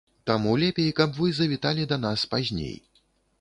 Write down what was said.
Таму лепей каб вы завіталі да нас пазней.